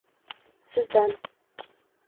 Sizdan